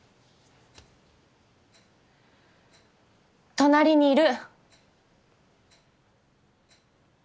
隣にいる！